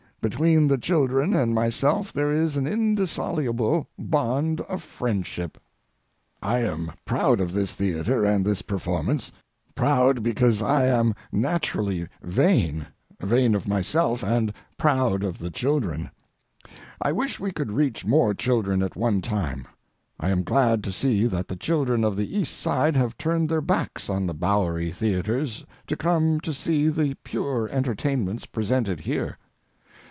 Between the children and myself there is an indissoluble bond of friendship. I am proud of this theatre and this performance—proud, because I am naturally vain—vain of myself and proud of the children. I wish we could reach more children at one time. I am glad to see that the children of the East Side have turned their backs on the Bowery theatres to come to see the pure entertainments presented here.